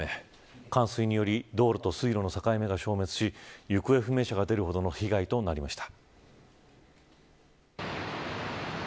冠水により道路と水路の境目が消滅し行方不明者が出るほどの被害となりました。